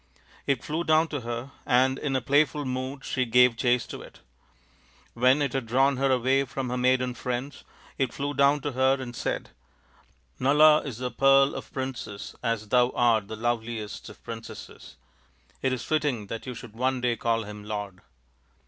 It flew down to her, and in a playful mood she gave chase to it. When it had drawn her away from her maiden friends it flew down to her and said, " Nala is the pearl of princes as thou art the loveliest of princesses. It is fitting that you should one day call him lord."